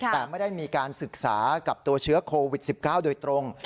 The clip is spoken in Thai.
แต่ไม่ได้มีการศึกษากับตัวเชื้อโควิด๑๙โดยตรง